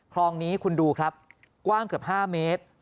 คลองนี้คุณดูครับกว้างเกือบ๕เมตร